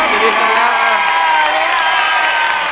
สวัสดีครับ